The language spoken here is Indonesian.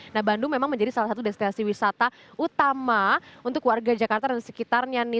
nah bandung memang menjadi salah satu destinasi wisata utama untuk warga jakarta dan sekitarnya nih